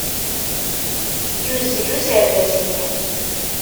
Yuzzel userdas-nni.